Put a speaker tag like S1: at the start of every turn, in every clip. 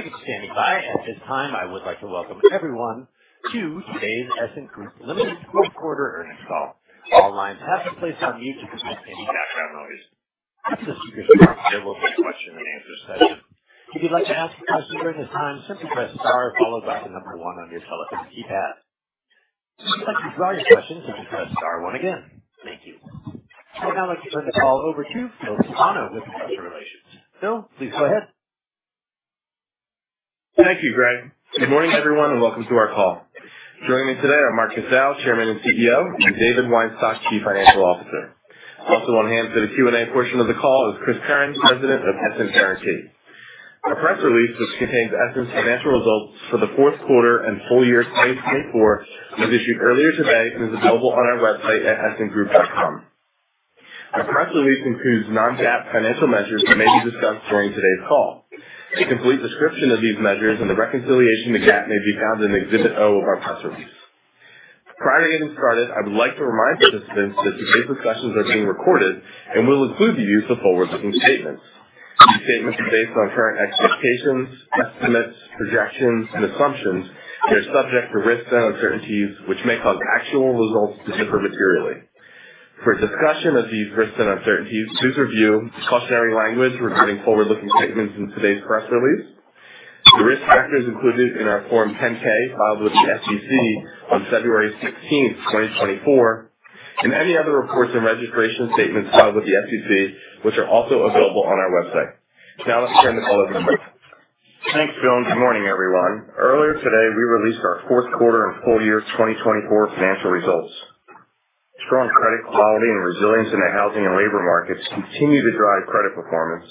S1: For standing by. At this time, I would like to welcome everyone to today's Essent Group's quarter earnings call. Online participants are placed on mute because we're hearing background noise. That's just to facilitate the question and answer session. If you'd like to ask a question during this time, simply press star followed by the number one on your telephone keypad. If you have any questions, simply press star one again. Thank you. Now I'd like to turn the call over to Philip Stefano, with Investor Relations. Phil, please go ahead.
S2: Thank you, Greg. Good morning, everyone, and welcome to our call. Joining me today are Mark Casale, Chairman and CEO, and David Weinstock, Chief Financial Officer. Also on hand for the Q&A portion of the call is Chris Curran, President of Essent Guaranty. The press release, which contains Essent's financial results for the fourth quarter and full year 2024, was issued earlier today and is available on our website at essentgroup.com. The press release includes non-GAAP financial measures that may be discussed during today's call. A complete description of these measures and the reconciliation to GAAP may be found in Exhibit O of our press release. Prior to getting started, I would like to remind participants that today's discussions are being recorded and will include the use of forward-looking statements. These statements are based on current expectations, estimates, projections, and assumptions that are subject to risks and uncertainties, which may cause actual results to differ materially. For discussion of these risks and uncertainties, please review the cautionary language regarding forward-looking statements in today's press release. The risk factors included in our Form 10-K filed with the SEC on February 16, 2024, and any other reports and registration statements filed with the SEC, which are also available on our website. Now let's turn the call over to the presenter.
S3: Thanks, Phil. And good morning, everyone. Earlier today, we released our fourth quarter and full year 2024 financial results. Strong credit quality and resilience in the housing and labor markets continue to drive credit performance.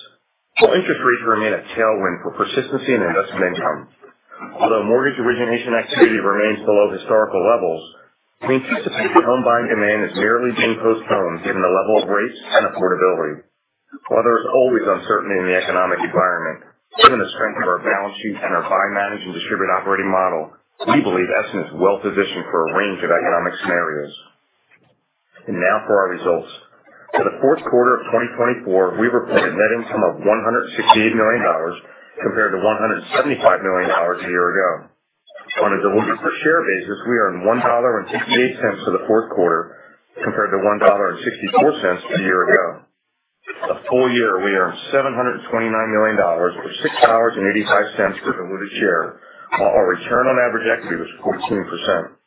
S3: Higher interest rates remain a tailwind for persistency in investment income. Although mortgage origination activity remains below historical levels, we anticipate that home buying demand is merely being postponed given the level of rates and affordability. While there is always uncertainty in the economic environment, given the strength of our balance sheets and our buying management distributed operating model, we believe Essent is well-positioned for a range of economic scenarios, and now for our results. For the fourth quarter of 2024, we reported a net income of $168 million compared to $175 million a year ago. On a deliverable share basis, we are in $1.68 for the fourth quarter compared to $1.64 a year ago. For the full year, we are in $729 million or $6.85 for deliverable share, while our return on average equity was 14%.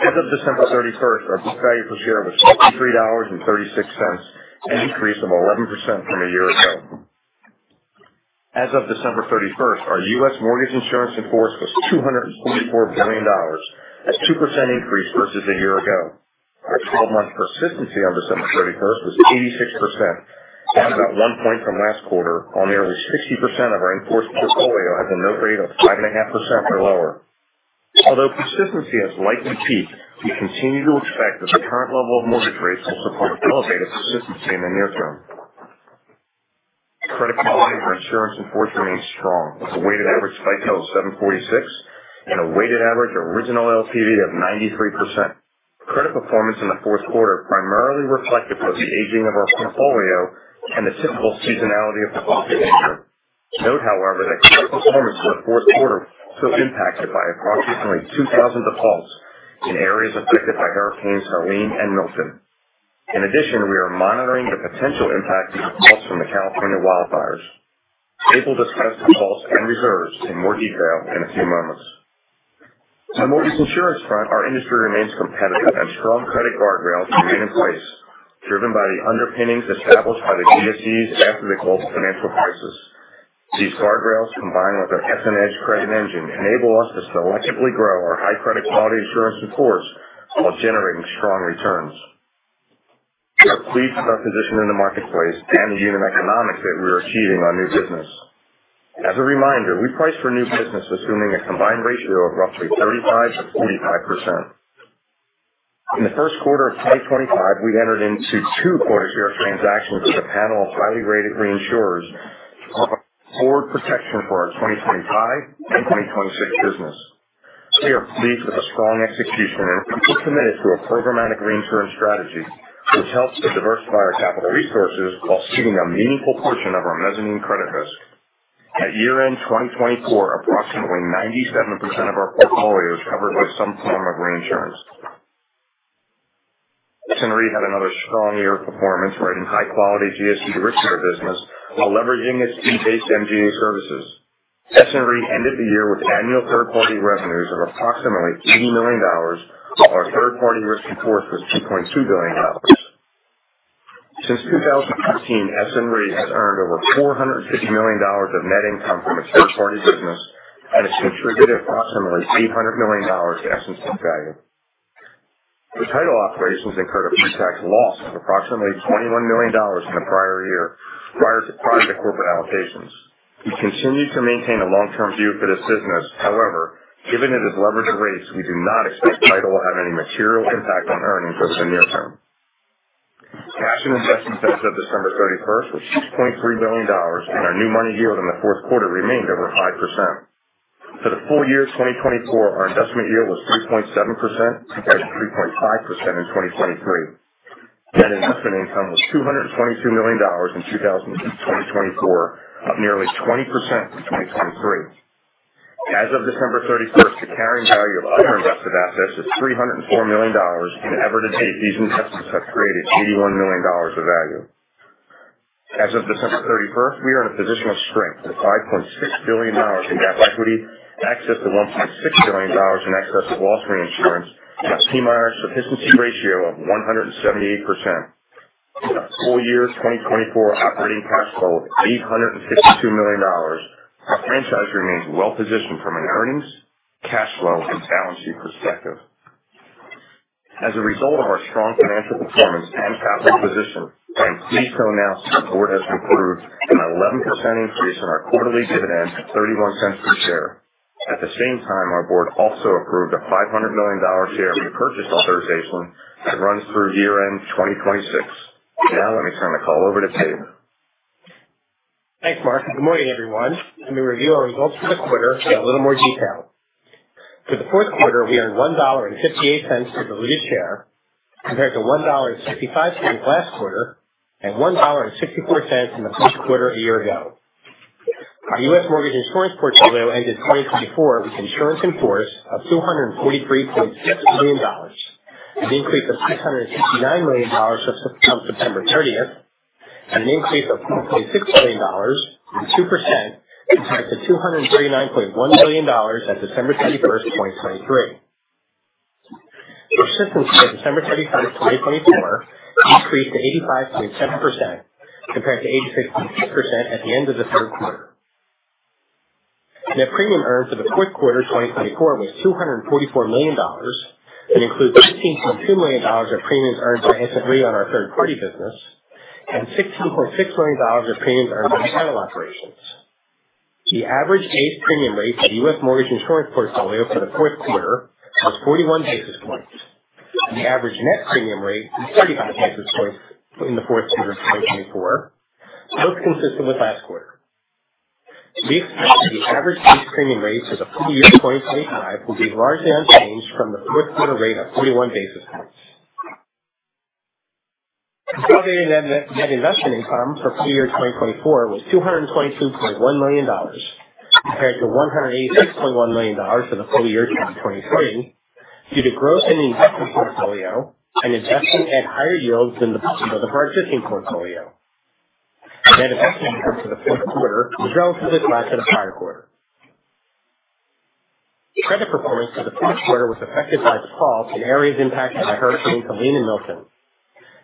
S3: As of December 31st, our value per share was $63.36, an increase of 11% from a year ago. As of December 31st, our U.S. Mortgage insurance in force was $224 billion, a 2% increase versus a year ago. Our 12-month persistency on December 31st was 86%, down about one point from last quarter, while nearly 60% of our insurance in force was deployed at a note rate of 9.5% or lower. Although persistency has likely peaked, we continue to expect that the current level of mortgage rates will require elevated persistency in the near term. Credit quality for insurance in force remains strong, with a weighted average FICO of 746 and a weighted average original LTV of 93%. Credit performance in the fourth quarter primarily reflects the aging of our portfolio and the typical seasonality of the fourth quarter. Note, however, that U.S. performance in the fourth quarter was impacted by approximately 2,000 defaults in areas affected by Hurricanes Helene and Milton. In addition, we are monitoring the potential impacts of defaults from the California wildfires. We will discuss defaults and reserves in more detail in a few moments. On the mortgage insurance front, our industry remains competitive, and strong credit guardrails remain in place, driven by the underpinnings established by the GSEs after the global financial crisis. These guardrails, combined with our S&H credit engine, enable us to selectively grow our high-credit quality assurance support while generating strong returns. Please note our position in the marketplace and the unit economics that we are achieving on new business. As a reminder, we price for new business, assuming a combined ratio of roughly 35%-65%. In the first quarter of 2025, we entered into two quarters of our transactions as a panel of highly rated reinsurers for protection for our 2025 and 2026 business. We have believed that the strong expectation and commitment to our programmatic reinsurance strategies, which helps to diversify our capital resources, while shielding a meaningful portion of our mezzanine credit risk. At year-end 2024, approximately 97% of our portfolio is covered with some form of reinsurance. Essent Group has had another strong year of performance, riding high-quality GSE-dominated business while leveraging its fee-based MDA services. Essent Group ended the year with annual credit quality revenues of approximately $80 million, while our third-party risk reports were $2.2 billion. Since 2016, Essent Group has earned over $450 million of net income from its third-party business, and it's distributed approximately $800 million to Essent Guaranty. The title operations incurred a pre-tax loss of approximately $21 million in the prior year, prior to corporate allocations. We continue to maintain a long-term view for this business. However, given its leverage rates, we do not expect title to have any material impact on earnings over the near term. Capital investment as of December 31st was $2.3 billion, and our new money yield in the fourth quarter remained over 5%. For the full year 2024, our investment yield was 3.7% compared to 3.5% in 2023. Net investment income was $222 million in 2024, nearly 20% over 2023. As of December 31st, the carrying value of our investments in that class is $304 million, and the accretion has created $81 million of value. As of December 31st, we are in a position of strength with $5.6 billion in GAAP equity, excess of $1.6 billion in overall reinsurance, and a PMIERs efficiency ratio of 178%. Full year 2024 operating income of $852 million. Franchise remains well-positioned from an earnings, cash flow, and balance sheet perspective. As a result of our strong financial performance and capital position, our board of directors has approved an 11% increase in our quarterly dividend to $0.31 per share. At the same time, our board also approved a $500 million share repurchase authorization that runs through year-end 2026. Now let me turn the call over to David.
S4: Thanks, Mark. Good morning, everyone. Let me review our results for the quarter in a little more detail. For the fourth quarter, we earned $1.58 per deliverable share compared to $1.65 in the last quarter and $1.64 in the fourth quarter a year ago. Our U.S. mortgage insurance portfolio ended 2024 with insurance in force of $243.6 billion, an increase of $6.69 billion since September 30th, and an increase of $4.5 billion or 2%, which is up from $239.1 billion at December 31st, 2023. Essent Group's December 31st, 2024, decreased to 85.7% compared to 86.6% at the end of the third quarter. Net premium earned for the fourth quarter of 2024 was $244 million and includes $16.2 million of premiums earned by Essent Group on our third-party business and $62.6 million of premiums earned by the title operations. The average GSE premium rate for the U.S. mortgage insurance portfolio for the fourth quarter was 41 basis points. The average net premium rate is 35 basis points in the fourth quarter for 2024, most consistent with last quarter. The average GSE premium rate for the full year 2025 will be largely unchanged from the fourth quarter rate of 31 basis points. The net investment income for full year 2024 was $222.1 million compared to $186.1 million for the full year 2023, due to growth in the investment portfolio and investing at higher yields than the prior year's portfolio. The net investment yield for the fourth quarter was relatively flat to the prior quarter. Credit performance for the fourth quarter was affected by defaults and areas impacted by Hurricanes Helene and Milton.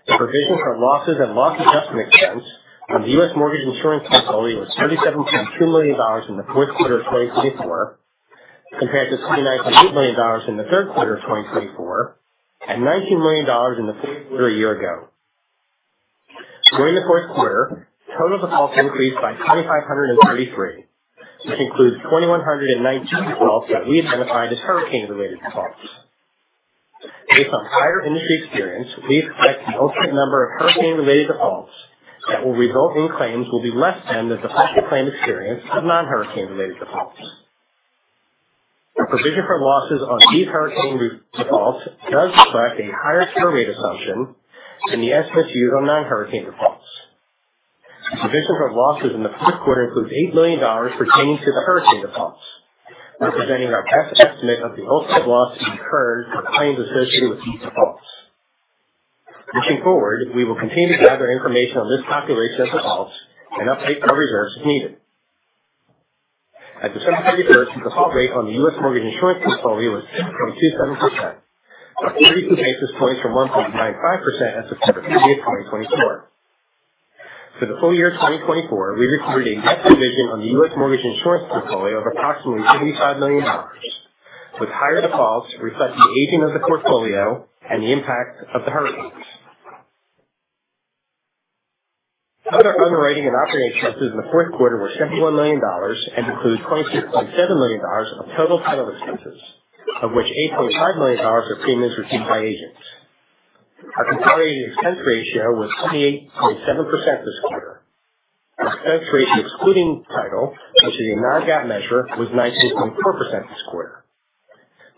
S4: The provisions for losses and loss adjustment expense for the U.S. mortgage insurance portfolio was $37.2 million in the fourth quarter 2024, compared to $29.8 million in the third quarter of 2024, and $19 million in the fourth quarter a year ago. During the fourth quarter, total defaults increased by 2,533, which includes 2,119 defaults that we identified as Hurricane-related defaults. Based on prior industry experience, we expect an outright number of Hurricane-related defaults that will result in claims will be less than the average claim experience of non-Hurricane-related defaults. The provision for losses on these Hurricane defaults does reflect a higher churn rate assumption than the estimates used on non-Hurricane defaults. The provision for losses in the fourth quarter includes $8 million pertaining to the Hurricane defaults, representing our best estimate of the outside loss incurred claims associated with these defaults. Looking forward, we will continue to gather information on risk factor rates and defaults and update our reserves as needed. At December 31st, the default rate on the U.S. mortgage insurance portfolio was 22.7%, but it increased this quarter to 1.95% as of December 30, 2024. For the full year 2024, we've accrued a net position on the U.S. Mortgage insurance portfolio of approximately $75 million, with higher defaults reflecting the aging of the portfolio and the impact of the hurricanes. Other underwriting and operating expenses in the fourth quarter were $71 million and include $22.7 million of total title expenses, of which $8.5 million were payments received by agents. Our consolidated expense ratio was 28.7% this quarter. Expense ratio excluding title using a non-GAAP measure was 19.4% this quarter.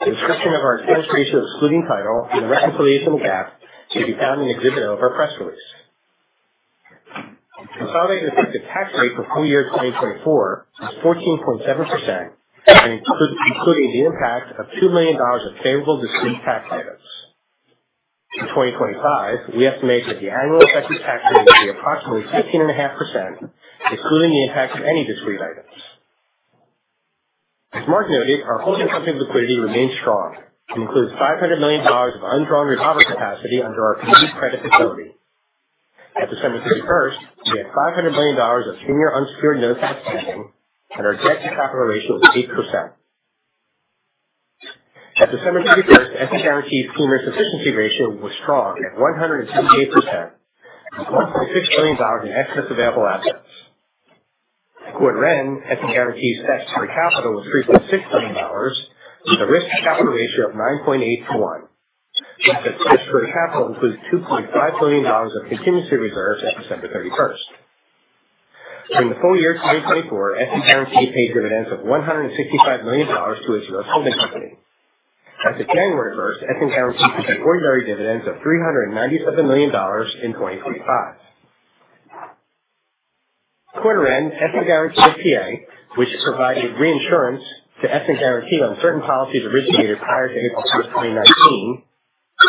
S4: The exhibit of our expense ratio excluding title and the reconciliation to GAAP can be found in Exhibit O of our press release. The full-year effective tax rate for full year 2024 was 14.7%, including the impact of $2 million of non-deductible tax items. In 2025, we estimate that the annual effective tax rate is approximately 15.5%, including the impact of any discrete items. As Mark noted, our holding company liquidity remains strong and includes $500 million of undrawn borrowing capacity under our revolving credit facility. At December 31st, we had $500 million of senior unsecured notes outstanding, and our excess capital ratio was 8%. At December 31st, Essent Guaranty's PMIERs sufficiency ratio was strong at 158%, with $166 million in excess available assets. At quarter-end, Essent Guaranty's excess capital was $366 million, with a risk-to-capital ratio of 981%. This excess capital includes $2.5 million of contingency reserves at December 31st. During the full year 2024, Essent Guaranty paid dividends of $165 million to its U.S. holding company. As of January 1st, Essent Guaranty received quarterly dividends of $397 million in 2025. quarter-end, Essent Guaranty's TA, which provided reinsurance to Essent Guaranty on certain policies originated prior to April 10, 2019,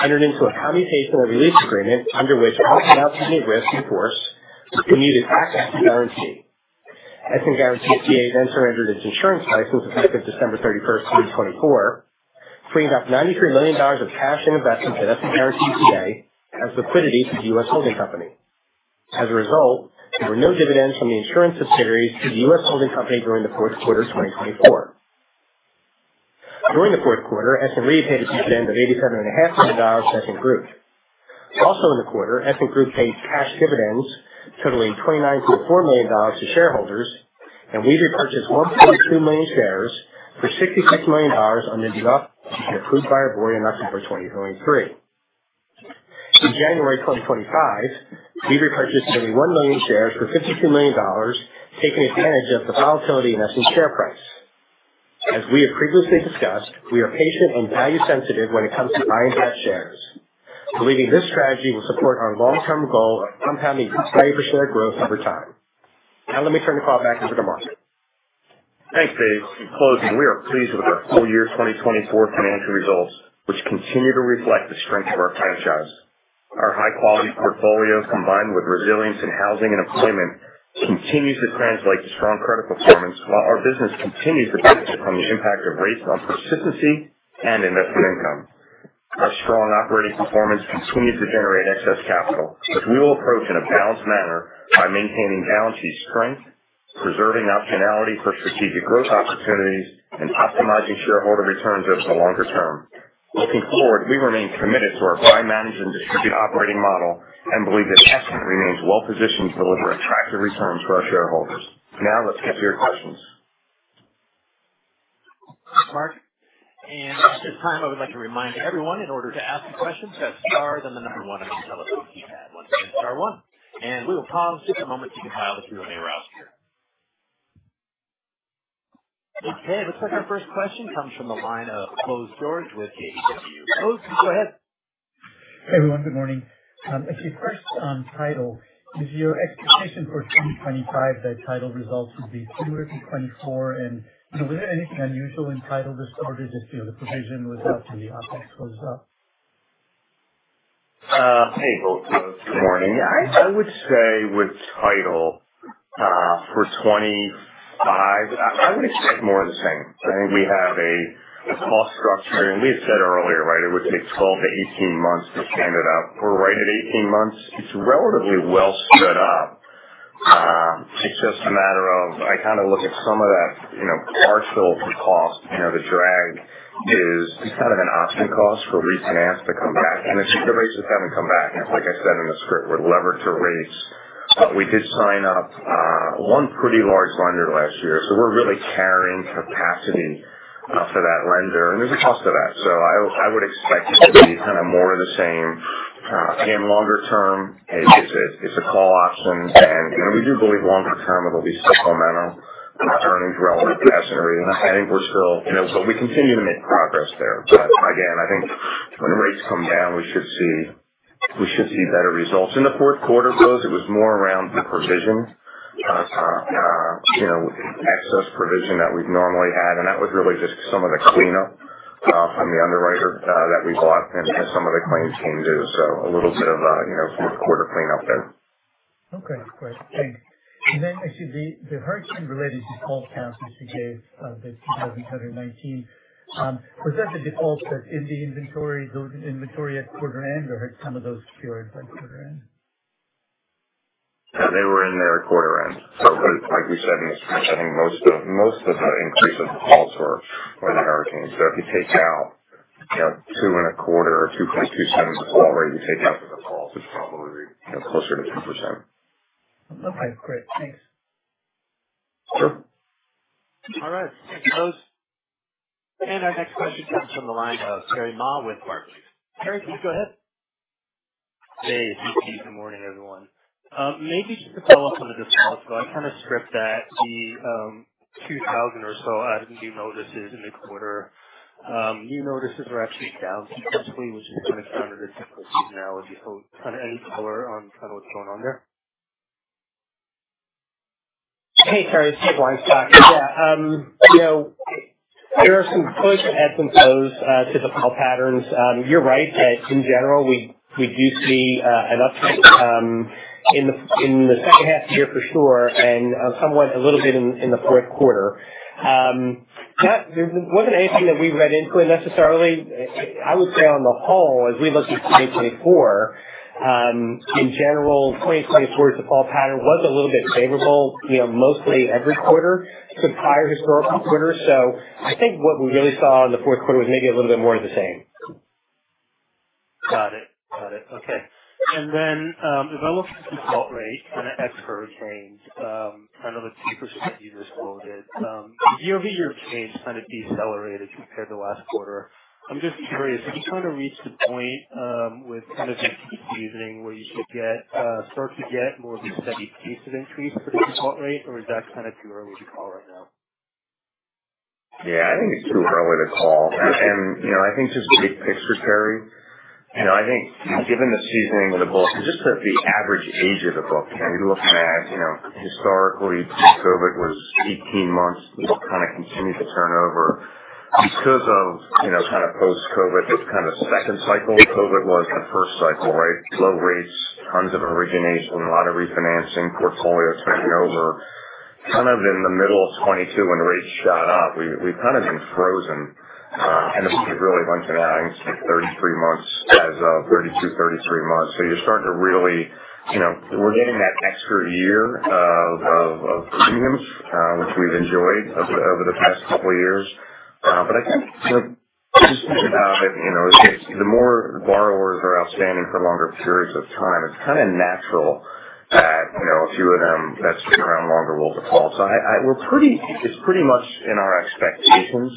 S4: entered into a commutation or release agreement under which outstanding reinsurance risk in force was immediately releasing the RBC. Essent Guaranty's TA then surrendered its insurance license as of December 31st, 2024, freeing up $93 million of cash and investments at Essent Guaranty's TA as liquidity to the U.S. holding company. As a result, there were no dividends from the insurance subsidiaries to the U.S. holding company during the fourth quarter of 2024. During the fourth quarter, Essent Guaranty paid a dividend of $87.5 million to Essent Group. Also in the quarter, Essent Guaranty paid cash dividends, totaling $29.4 million to shareholders, and we repurchased 1.2 million shares for $66 million under the repurchase agreement approved by our board in October 2023. In January 2025, we've purchased nearly one million shares for $52 million, taking advantage of the volatility in Essent Guaranty's share price. As we have previously discussed, we are patient and value-sensitive when it comes to buying direct shares. Believing this strategy will support our long-term goal of compounding each value-per-share growth over time. Now let me turn the call back over to Mark.
S3: Thanks, David. In closing, we are pleased with our full year 2024 financial results, which continue to reflect the strength of our franchise. Our high-quality portfolio, combined with resilience in housing and employment, continues to translate to strong credit performance, while our business continues to benefit from the impact of rates on persistency and investment income. Strong operating performance continues to generate excess capital, which we will approach in a balanced manner by maintaining balance sheet strength, preserving optionality for strategic growth opportunities, and optimizing shareholder returns over the longer term. Looking forward, we remain committed to our disciplined management distributed operating model and believe that Essent remains well-positioned to deliver effective returns for our shareholders. Now let's take your questions.
S1: Mark, at this time, I would like to remind everyone in order to ask a question, press star one on your telephone keypad. And we will pause just a moment to compile the Q&A. Okay, let's take our first question. It comes from the line of Bose George with KBW. Go ahead.
S5: Hey everyone, good morning. It's just on title. Is your expectation for 2025 that title results should be similar to 2024? Was there anything unusual in title this quarter that you know the provision was roughly optics goes up?
S3: Hey, Bose, good morning. I would say with title for 2025, I would expect more of the same. I think we have a cost structure, and we had said earlier, right, it would take 12 to 18 months to stand it up. We're right at 18 months. It's relatively well set up. It's just a matter of, I kind of look at some of that, you know, partial cost, you know, the drag is we kind of had an option cost for lease and ask to come back. And it's just that rates just haven't come back. Like I said in the script, we're leveraged to rates. We did sign up one pretty large lender last year, but we're really carrying capacity for that lender. And there's a cost to that. So I would expect it to be kind of more of the same. Again, longer term, it's a call option. And we do believe longer term it'll be still momentum with earnings relative to asset rate. And I think we're still, you know, but we continue to make progress there. But again, I think when rates come down, we should see better results. In the fourth quarter, though, it was more around the provisions, you know, those provisions that we've normally had. And that was really just some of the cleanup from the underwriter that we bought into some of the claims team to go a little bit of, you know, some quarter cleanup there.
S5: Okay, of course. And then actually the Hurricane-related defaults have some CJs that come out in 2019. Was that the defaults that in the inventory, those in inventory at quarter-end, or had some of those cured by quarter-end?
S3: They were in there at quarter-end. So like we said, it's just I think most of the increases of cures were quite inherent. So if you take out, you know, two and a quarter or 2.27% of the cure rate, you take out the default, it's probably, you know, closer to 2%.
S5: Okay, great. Thanks.
S1: All right. Close. And our next speaker f`r`om the line, Larry McAlee. Larry, please go ahead. Hey, good morning, everyone. Maybe you could fill in on the discount. So I kind of suspect that the 2,000 or so items, you noticed it in the quarter. New notices are actually down significantly, which is diminished on additional questions now. Do you have any color on kind of what's going on there?
S4: Hey, Larry. Yes. Yeah, you know, there are some cures have been close to the default patterns. You're right that in general we do see an uptick in the second half of the year for sure, and somewhat a little bit in the fourth quarter. That wasn't anything that we read into it necessarily. I would say on the whole, as we look at 2024, in general, 2024's default pattern was a little bit favorable, you know, mostly every quarter, because the higher FICO cohorts have grown. So I think what we really saw in the fourth quarter was maybe a little bit more of the same. Got it. Got it. Okay. And then delinquency to default rate, kind of cure rates, kind of the 2% that you just noted. Doug, your case kind of decelerated compared to the last quarter. I'm just curious, have you kind of reached a point with some of this seasoning where you should start to get more of this heavy pace of increase for the default rate, or is that kind of too early to call right now?
S3: Yeah, I think it's too early to call, and you know, I think just to get picked for carry, you know, I think given the seasoning of the book, just for the average age of the book, you're looking at, you know, historically COVID was 18 months, kind of continued to turn over. Because of, you know, kind of post-COVID, it's kind of the second cycle of COVID was the first cycle, right? Slow rates, tons of origination, a lot of refinancing portfolio taken over. Kind of in the middle of 2022 when rates shot up, we kind of been frozen. And it was really low churn and adding 33 months as of 2023, 33 months. So you're starting to really, you know, we're getting that extra year of premiums, which we've enjoyed over the past couple of years. But I just sort of figured out that, you know, the more borrowers are outstanding for longer periods of time, it's kind of natural that, you know, a few of them that stick around longer will default. So it's pretty much in our expectations.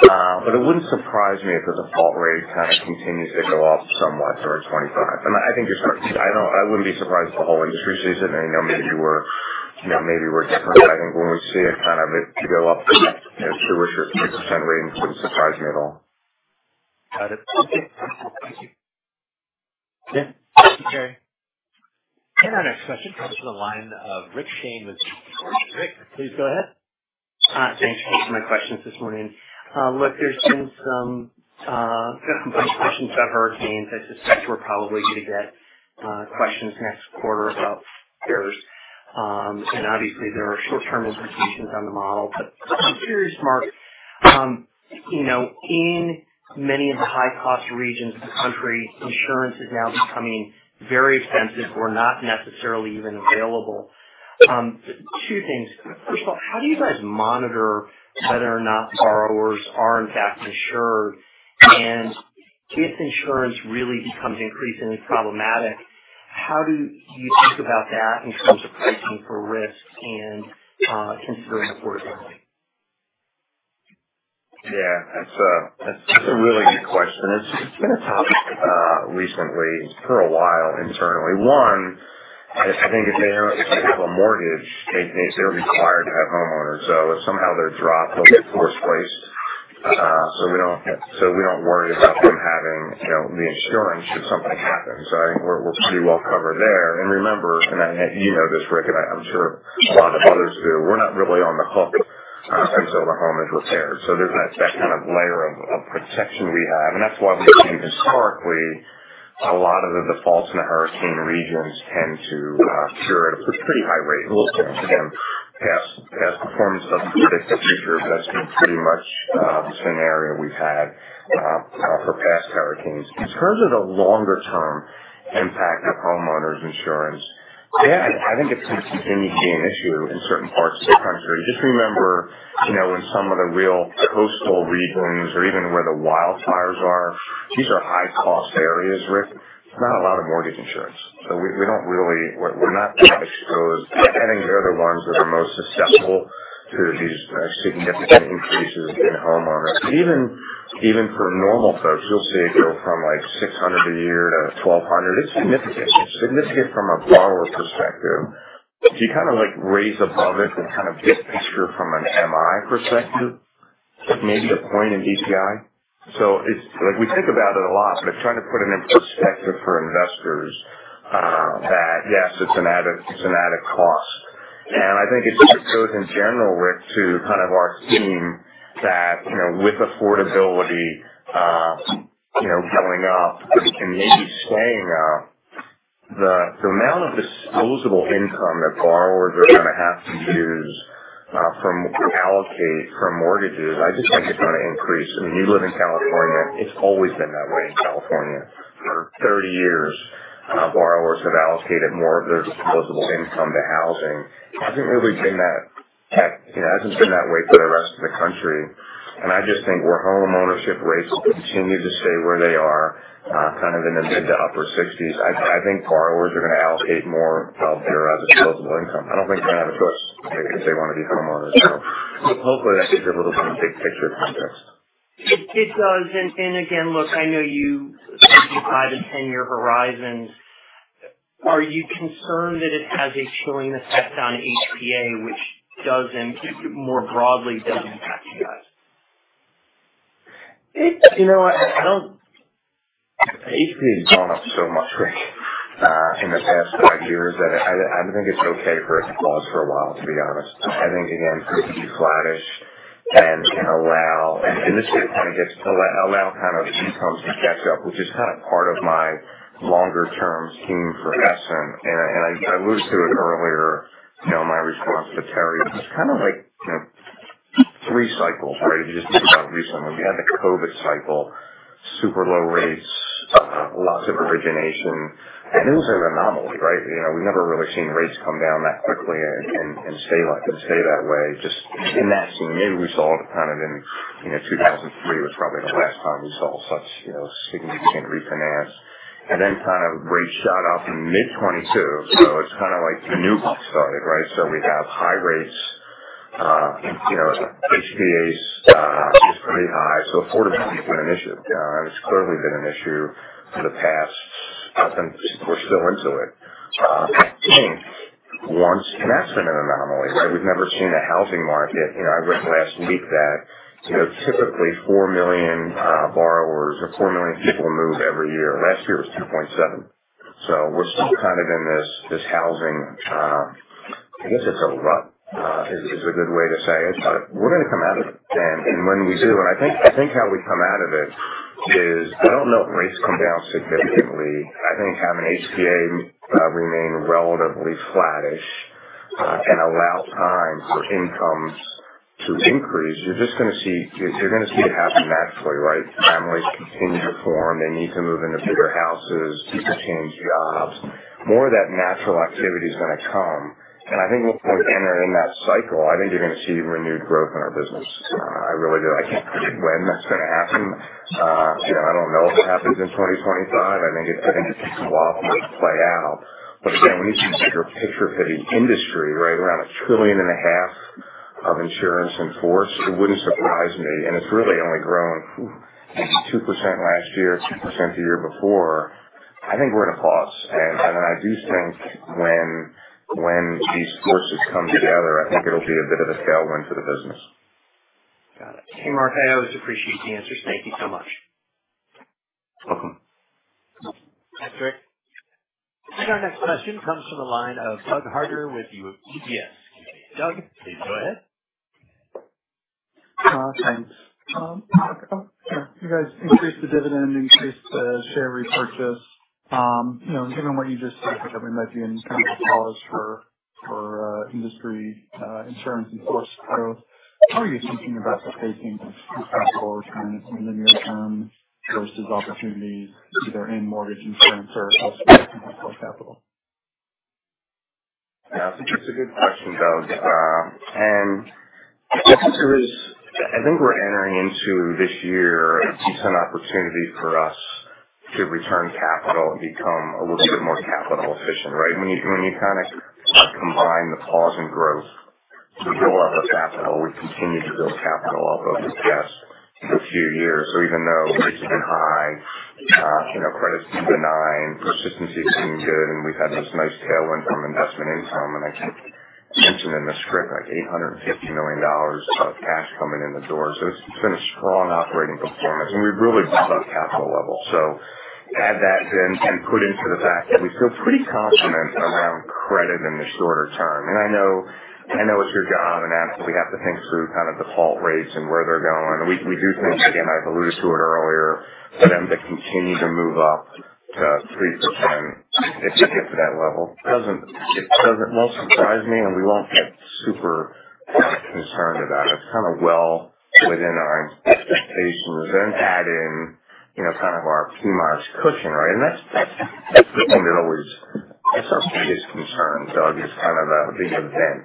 S3: But it wouldn't surprise me if the default rate kind of continues to go up somewhat during 2025. I think it's like, I don't know, I wouldn't be surprised if the default rate increases. I know maybe we're, you know, maybe we're different, but I think when we see it kind of it's to go up to a 2%-3% range, it wouldn't surprise me at all.
S1: Okay. Our next question comes from the line of Rick Shane. Rick, please go ahead. Thank you for taking my questions this morning. Look, there's been some comments on some severity that we're probably going to get questions next quarter about shares. And obviously there are short-term impacts that come to mind. But I'm curious, Mark, you know, in many of the high-cost regions of the country, insurance is now becoming very expensive or not necessarily even available. Two things. First of all, how do you guys monitor whether or not borrowers are in fact insured? And if insurance really becomes increasingly problematic, how do you think about that in terms of pricing for risk and considering the forecast?
S3: Yeah, that's a really good question. It's been tough recently for a while internally. One, I think if they have a mortgage, they're required to have homeowners. So if somehow they're dropped, force place. It's worth twice. So we don't worry about them not having, you know, the insurance if something happens. So I think we're pretty well covered there. And remember, and I think you know this, Rick, and I'm sure a lot of others do, we're not really on the hook obviously until the home is repaired. So there's that layer of protection we have. And that's why historically, a lot of the defaults in the Hurricane region tend to cure at a pretty high rate. Looking at him, past performance doesn't predict the future, but that's been pretty much the scenario we've had for past hurricanes. In terms of the longer-term impact of homeowners insurance, yeah, I think it's too soon to see an issue in certain parts of the country. Just remember, you know, in some of the real coastal regions or even where the wildfires are, these are high-cost areas, Rick. It's not a lot of mortgage insurance. So we don't really, we're not. I suppose, adding the other ones that are most accessible to these significant increases in homeowners. Even for normal folks, you'll pay from like $600 a year to $1,200. It's significant. But this is from a borrower perspective. If you kind of like raise above it and kind of just secure from an MI perspective, maybe a point in DTI. So it's like we think about it a lot, but it's trying to put it into perspective for investors that yes, it's an added cost. And I think it's just for those in general, Rick, who kind of are seeing that, you know, with affordability, you know, going up, and maybe squeezing out the amount of disposable income that borrowers are going to have to allocate to mortgages, I just think it's going to increase. I mean, you live in California. It's always been that way in California. For 30 years, borrowers have allocated more of their disposable income to housing. It hasn't really been that way, you know, for the rest of the country. And I just think homeownership rates will continue to stay where they are, kind of in the upper 60s. I think borrowers are going to allocate more of their disposable income. I don't think it's going to have a good, if they want to be homeowners. So hopefully that's just a little bit of a big picture to contrast. It does. And again, look, I know you see probably the 10-year horizon. Are you concerned that it has a slowing effect on HBA, which doesn't, more broadly doesn't impact you guys? You know, HBA has gone up so much in the past five years that I don't think it's okay for it to pause for a while, to be honest. I think, again, because it's elastic and allows, and this kind of gets to all kinds of details to catch up, which is kind of part of my longer-term theme for this. I alluded to it earlier, you know, in my response to Terry, but it's kind of like, you know, three cycles, right? If you just think about recently, we had the COVID cycle, super low rates, lots of origination. And it was an anomaly, right? You know, we've never really seen rates come down that quickly and stay that way. Just in that scenario, we saw it kind of in, you know, 2003 was probably the last time we saw such, you know, significant refinance. And then kind of rates shot up in mid-2022. So it's kind of like new growth started, right? So we've got high rates, you know, HPA's is pretty high. So affordability has been an issue. It's clearly been an issue for the past, since we're still into it. Once that's been an anomaly. We've never seen the housing market, you know. I read last week that, you know, typically four million borrowers, or four million people move every year. Last year was 2.7, so we're kind of in this housing. I guess it goes up is a good way to say it, but we're going to come out of it, and when we do, and I think how we come out of it is, I don't know if rates come down significantly. I think having HBA remain relatively flattish and allow time for income to increase, you're just going to see, you're going to see it happen naturally, right? Families continue to form. They need to move into bigger houses, keep the same jobs. More of that natural activity is going to come. I think once we enter in that cycle, I think you're going to see renewed growth in our business. I really do. When that's going to happen, you know, I don't know if it happens in 2025. I think it's just wild to play out. But again, when you see the bigger picture of the industry, right, around a trillion and a half of insurance in force, it wouldn't surprise me. And it's really only grown 2% last year, 2% the year before. I think we're going to pause. And then I do think when these factors come together, I think it'll be a bit of a tailwind for the business. Got it. Hey, Mark, I always appreciate the answers. Thank you so much.
S1: That's right. The next question comes from the line of Doug Harter with UBS. Doug, please.
S6: As you can see, it's a dividend ETF, so very fortunate. Given what you just said, I imagine, following the industry insurance in force growth, how are you thinking about pacing future in force in the near term versus opportunity?
S3: Yeah, I think it's a good question, Doug. I think we're entering into this year, you see some opportunities for us to return capital and become a little bit more capital efficient, right? When you kind of combine the flows and growth, you go up a path, we continue to build capital over the past few years, or even though it's been high, you know, credits through the nine, consistency seeming good, and we've had this nice tailwind from investment income, and I think it's been the trick, like $850 million of cash coming in the door. So it's just been a strong operating performance, and we really did love capital level. So add that in and put into the fact we feel pretty confident around credit in the shorter term. And I know, I know it's your job and absolutely have to think through kind of default rates and where they're going. We do think, again, I've alluded to it earlier, for them to continue to move up to 3%. It should get to that level. It doesn't well surprise me, and we won't get super concerned about it. It's kind of well within our expectations. And then add in, you know, kind of our PMIERs cushion, right? And that's something that always, that's our biggest concern, Doug, is kind of a bigger than,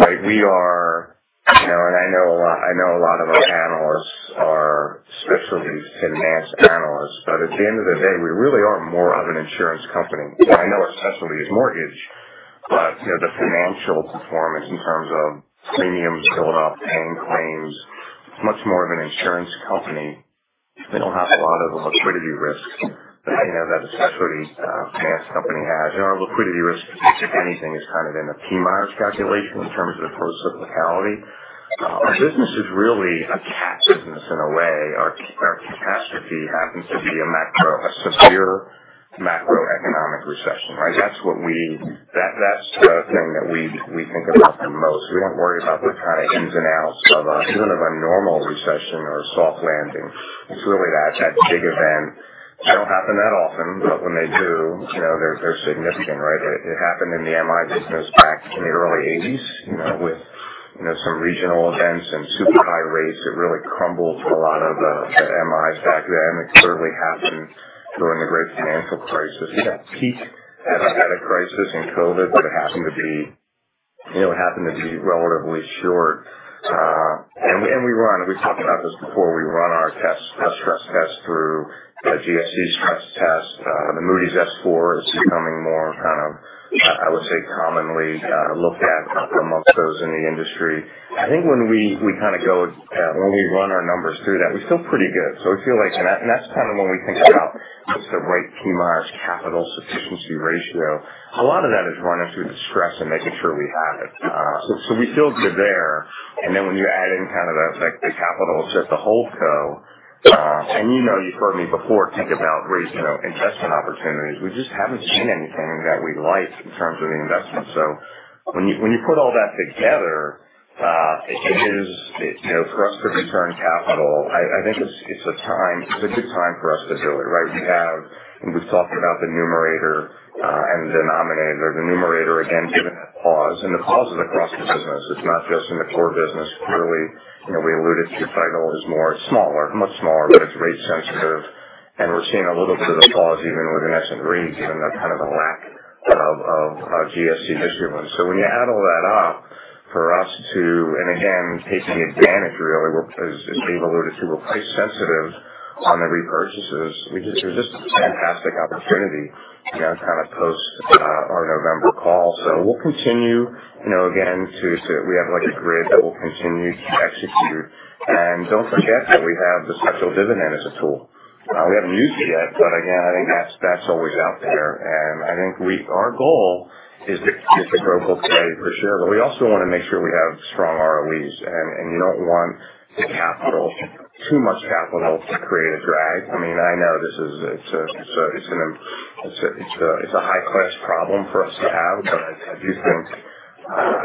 S3: right? We are, you know, and I know a lot of our analysts are specialists and advanced analysts, but at the end of the day, we really are more of an insurance company. I know a specialty is mortgage, but you know, the financial performance in terms of premiums built up, paying claims, much more of an insurance company. They don't have a lot of liquidity risk, but you know, that's what each financial company has. Our liquidity risk, if anything, is kind of in the PMIERs calculation in terms of the percentage of liquidity. A business is really a cat business in a way. Our catastrophe happens to be a macro, a severe macroeconomic recession, right? That's what we, that's the thing that we think about the most. We don't worry about the kind of ins and outs of a, you don't have a normal recession or a soft landing. It's really that, that big event. They don't happen that often, but when they do, you know, they're significant, right? It happened in the MI business back in the early 1980s, you know, with, you know, some regional events and super high rates that really crumbled a lot of the MIs back then. It clearly happened during the Great Financial Crisis. You got a crisis in COVID that happened to be, you know, happened to be relatively short. And we run, it was just not just before, we run our tests, the stress test through the GSE stress test. The Moody's S4 is becoming more kind of, I would say, commonly looked at amongst those in the industry. I think when we kind of go, when we run our numbers through that, we're still pretty good. So I feel like, and that's kind of when we think about the right PMIs, capital efficiency ratio, a lot of that is running through the stress and making sure we have it. So we feel good there. And then when you add in kind of the capital that the holds go, and you know, you've heard me before think about raising investment opportunities, we just haven't seen anything that we like in terms of the investment. So when you put all that together, it is, you know, for the current capital, I think it's a time, it's a good time for us to do it, right? We have, and we've talked about the numerator and the denominator, the numerator again given that pause. And the pause in the closings isn't. It's not just in the core business. It's really, you know, we alluded to the title. It's much smaller, but it's rate sensitive. And we're seeing a little bit of the pause even with an Essent Re, given the kind of a lack of GSE high LTV ones. So when you add all that up for us to, and again, taking advantage really, we're able to repurchase rate sensitive on the repurchases. We just, it's just a fantastic opportunity, you know, kind of post our November call. So we'll continue, you know, again, so we have like a grid that we'll continue to execute. And don't forget that we have the special dividend as a tool. We haven't used it yet, but again, I think that's always out there. And I think we, our goal is to grow growth rate for sure, but we also want to make sure we have strong ROEs. And you don't want too much capital to create a drag. I mean, I know this is, it's a high-class problem for us to have, but I do think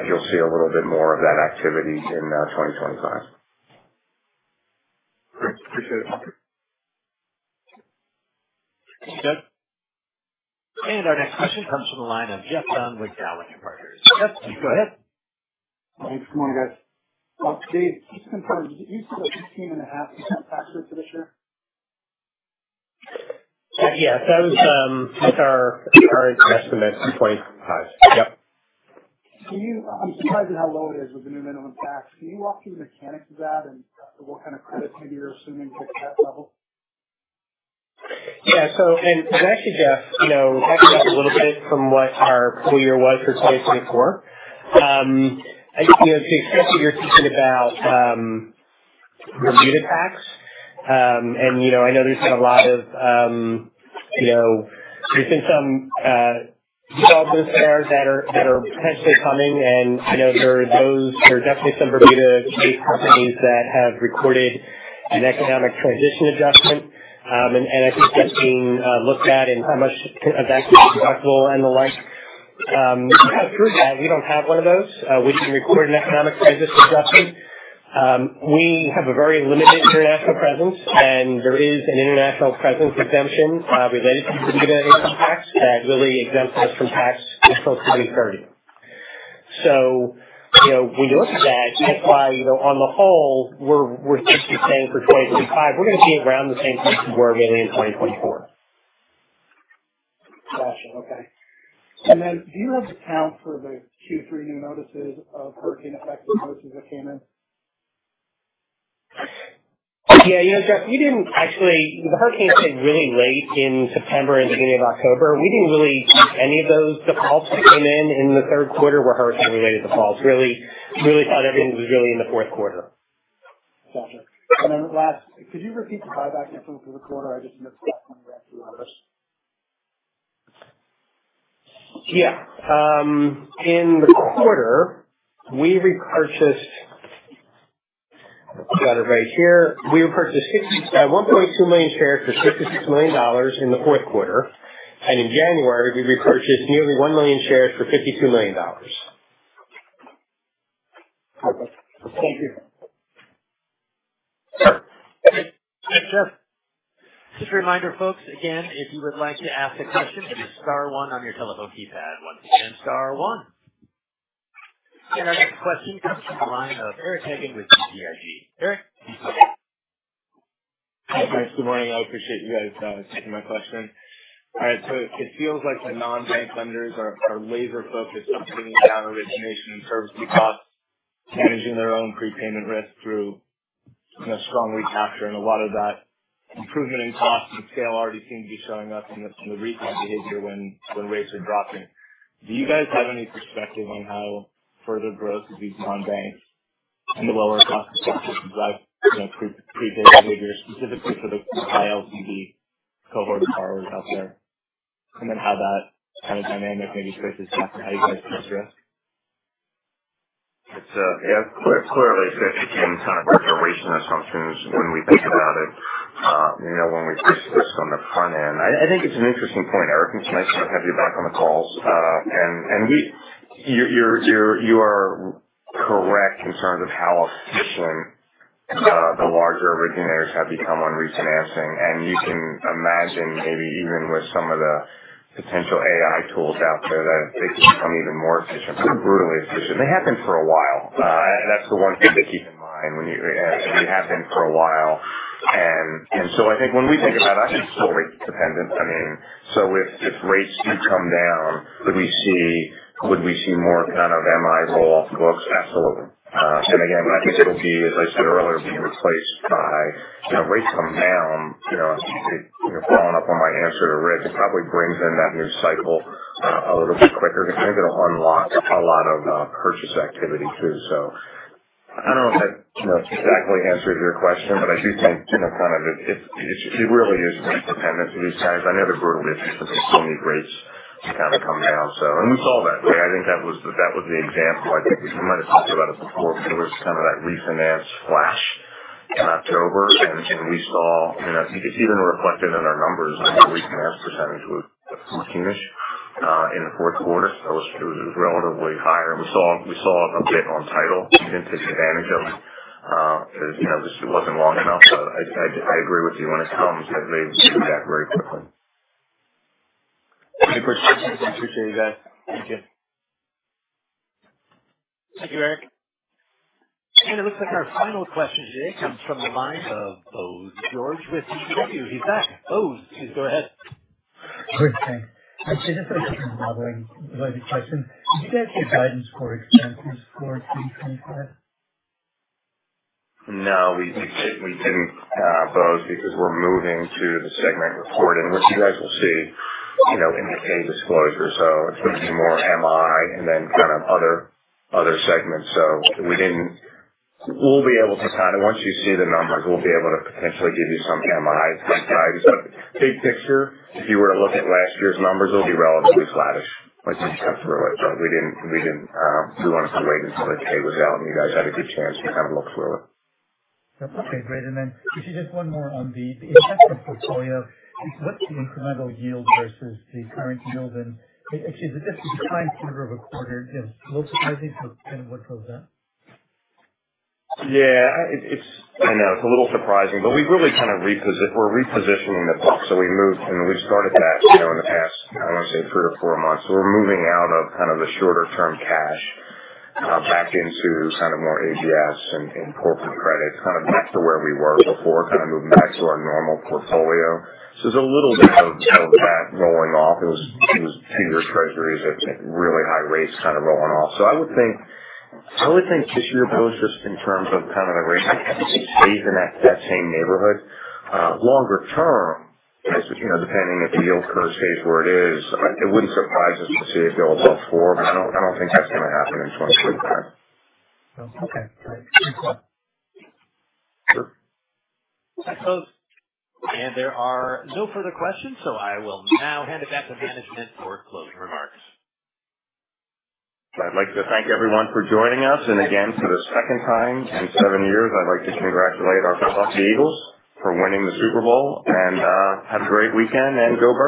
S3: you'll see a little bit more of that activity in 2025.
S1: And our next question comes from the line of Geoff Dunn with Dowling & Partners. Geoff, please go ahead.
S7: Hey, good morning, guys. Dave, can you confirm, you said a 15.5% tax rate this year?
S4: Yes, that was with our investment at 2.5%.
S7: Yep. Can you, I'm surprised at how low it is with the new minimum tax. Can you walk through the mechanics of that and what kind of credits maybe you're assuming to accept level?
S4: Yeah, so, and so actually, Geoff, you know, backing up a little bit from what our full year was for 2024. You know, you're speaking about the Vita tax. And, you know, I know there's been a lot of, you know, there's been some developments there that are, that are, has been coming. And I know there are those, there's definitely some Bermuda things that have recorded an economic transition adjustment. And I think that's being looked at and how much of that is deductible and the like. As we don't have one of those, which is recorded in economic transition adjustments, we have a very limited international presence. And there is an international presence exemption related to the dividend tax that really exempts us from tax until 2030. So, you know, when you look at that, that's why, you know, on the whole, we're just saying for 2025, we're going to see around the same 2.4 million in 2024.
S7: Awesome, okay. And then, do you have accounts for the two- or three-year notices of hurricane-affected notices that came in?
S4: Yeah, you know, Geoff, we didn't actually. The hurricanes hit really late in September and beginning of October. We didn't really see any of those defaults that came in in the third quarter were hurricane-related defaults. Really, really thought everything was really in the fourth quarter.
S7: And then last, could you repeat the buyback info for the quarter? I didn't miss that.
S4: Yeah, in the quarter, we repurchased. I've got it right here, we repurchased 60.2 million shares for $56 million in the fourth quarter. In January, we repurchased 1 million shares for $52 million.
S1: Sure. Just a reminder, folks, again, if you would like to ask a question, you can star one on your telephone keypad once and star one. And that is a question just in line of [Greg with GIG], sir? Hey, guys, good morning. I appreciate you guys joining this call again. All right, so it feels like non-bank lenders are laser-focused on getting out of origination and curb keep up, reducing their own prepayment risk through a strong recapture. And a lot of that improving costs and scale already seem to be showing up in the recent behavior when rates are dropping. Do you guys have any perspective on how further growth of these non-bank and the lower cost adjustments and prepay behavior, specifically for the high LTV cohort of borrowers out there? And then how that kind of dynamic maybe traces back to how you'd like to look at it?
S3: It's a, yeah, clearly fascinating kind of observation that comes in when we think about it. You know, when we just look on the front end, I think it's an interesting point. Eric and Schmitz have you back on the call. And you're correct in terms of how efficient the larger originators have become on refinancing. And you can imagine maybe even with some of the potential AI tools out there that they become even more efficient and brutally efficient. They happen for a while. And that's the one thing to keep in mind when you have been for a while. And so I think when we think about, I think it's always dependent. I mean, so if just rates do come down, would we see more kind of MI roll-off growth? Absolutely. And again, my personal view is like the earlier view in place by, you know, rates come down, you know, it's flowing up on MI and sort of risk. It probably brings in that new cycle a little bit quicker. I think it'll unlock a lot of purchase activity too. So I don't know if that, you know, exactly answers your question, but I do think, you know, kind of it really is dependent on these times. I know the residual risk is that they still need rates to kind of come down. So, and we saw that. I think that was the example. I think we might have talked about it before, but there was kind of that refinance flash in October. And we saw, and I think it even reflected in our numbers, the refinance percentage was 14-ish in the fourth quarter. So it was relatively higher. And we saw a big one on title. We didn't take advantage of it because, you know, this wasn't long enough. So I agree with you when it comes because they did it that very quickly. Okay, perfect. Thank you for that. Thank you.
S1: Thank you, Greg. And it looks like our final question is from Bose George receiving your feedback. Bose, go ahead.
S5: Great, thanks. I'm thinking about some levering, if I could check them. Did you guys issue guidance core expenses for 2025?
S3: No, we didn't have those because we're moving to the segment report. And what you guys will see, you know, in the 8-K disclosure, so it's going to be more MI and then kind of other segments. So, we'll be able to kind of, once you see the numbers, we'll be able to potentially give you some MIs and slides. But big picture, if you were to look at last year's numbers, it'll be relatively flat. Like that's where it was. So we didn't, we wanted to wait until the 10-K was out and you guys had a good chance to kind of look through it.
S5: That's okay, great. And then just one more on the investment portfolio. What's the incremental yield versus the current yield? And actually, is it just a defined quarter-over-quarter? It's a little surprising to the 10.1%?
S3: Yeah, I know, it's a little surprising, but we really kind of repositioned. We're repositioning the book. So we moved, and we've started that, you know, in the past. I want to say three or four months. So we're moving out of kind of the shorter-term cash back into kind of more ABS and corporate credit, kind of back to where we were before, kind of moving back to our normal portfolio. So there's a little bit of that rolling off. It was senior treasuries at really high rates kind of rolling off. So I would think just your thoughts in terms of kind of the rate is in that same neighborhood. Longer term, you know, depending if the yield curve stays where it is, it wouldn't surprise us to see it go above four, but I don't think that's going to happen in 2025.
S1: Okay. And there are no further questions, so I will now hand it back to management for closing remarks.
S3: I'd like to thank everyone for joining us. Again, for the second time in seven years, I'd like to congratulate our Philadelphia Eagles for winning the Super Bowl. Have a great weekend and go Birds.